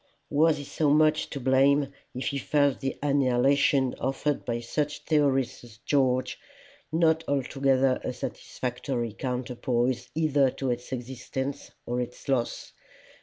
Was he so much to blame if he felt the annihilation offered by such theorists as George, not altogether a satisfactory counterpoise either to its existence or its loss?